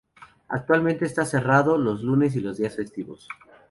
Actualmente está cerrado los lunes y los días festivos.